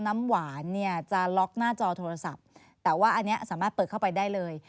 น้ำหวานเนี่ยจะล็อกหน้าจอโทรศัพท์แต่ว่าอันนี้สามารถเปิดเข้าไปได้เลย